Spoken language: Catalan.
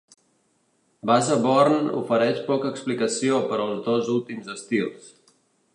Basevorn ofereix poca explicació per als dos últims estils.